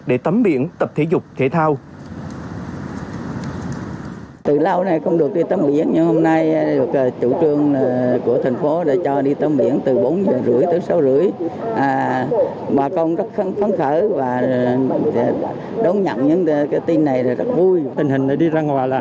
người dân đã có mặt để tắm biển tập thể dục thể thao